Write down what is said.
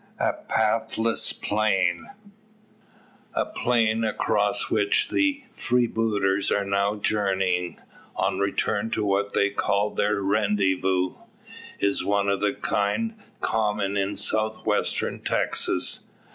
A PATHLESS PLAIN. The plain across which the freebooters are now journeying, on return to what they call their "rendyvoo," is one of a kind common in South western Texas.